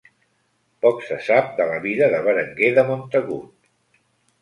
Poc se sap de la vida de Berenguer de Montagut.